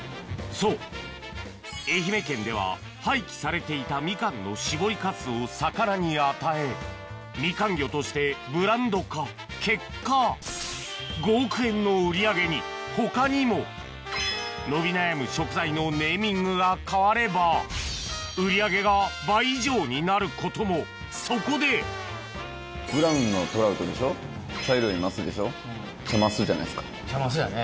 そう愛媛県では廃棄されていたみかんの搾りカスを魚に与えみかん魚としてブランド化結果他にも伸び悩む食材のネーミングが変われば売り上げが倍以上になることもそこでチャマスやね。